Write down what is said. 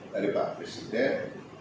dari pak presiden